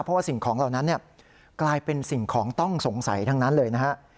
เพราะว่าสิ่งของเหล่านั้นกลายเป็นสิ่งของต้องสงสัยทั้งนั้นเลยนะฮะ